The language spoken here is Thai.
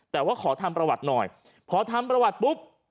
แต่ว่าขอทำประวัติหน่อยพอทำประวัติปุ๊บ